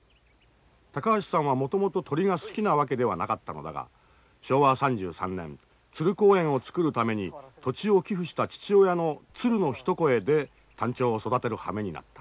高橋さんはもともと鳥が好きなわけではなかったのだが昭和３３年鶴公園をつくるために土地を寄付した父親の「鶴の一声」でタンチョウを育てるはめになった。